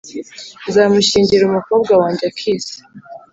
nzamushyingira umukobwa wanjye Akisa.”